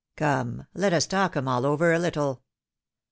Come, let us talk 'em all over a little.